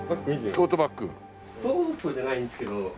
トートじゃないんですけど。